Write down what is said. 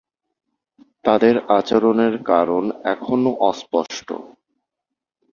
তাদের আচরণের কারণ এখনও অস্পষ্ট।